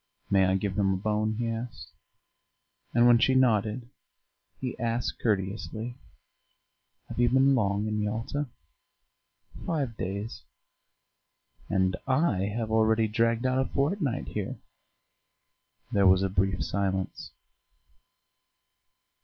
"May I give him a bone?" he asked; and when she nodded he asked courteously, "Have you been long in Yalta?" "Five days." "And I have already dragged out a fortnight here." There was a brief silence.